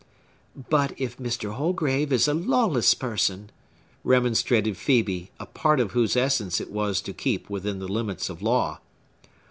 "But if Mr. Holgrave is a lawless person!" remonstrated Phœbe, a part of whose essence it was to keep within the limits of law.